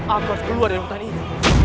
aku harus keluar dari hutan ini